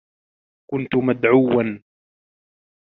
كنت مدعوا